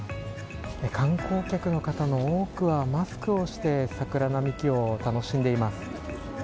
観光客の方の多くはマスクをして桜並木を楽しんでいます。